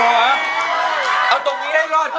เพื่อจะไปชิงรางวัลเงินล้าน